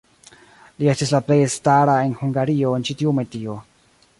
Li estis la plej elstara en Hungario en tiu ĉi metio.